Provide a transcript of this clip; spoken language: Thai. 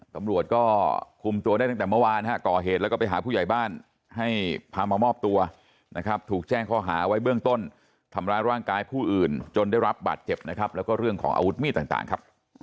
เขาบอกว่าเขาไม่จ่ายค่าน้ำอะไรอย่างนี้เขาคุยกันอย่างนี้เขาน่าจะเก็บโกรธมานานอะคะ